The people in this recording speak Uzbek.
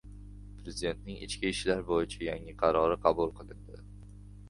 Prezidentning ichki ishlar bo‘yicha yangi qarori qabul qilindi